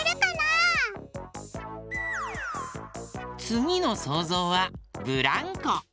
つぎのそうぞうはブランコ。